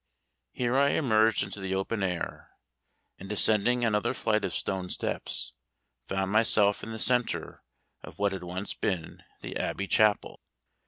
Here I emerged into the open air, and, descending another flight of stone steps, found myself in the centre of what had once been the Abbey chapel.